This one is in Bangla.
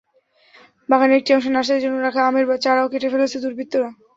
বাগানের একটি অংশে নার্সারির জন্য রাখা আমের চারাও কেটে ফেলেছে দুর্বৃত্তরা।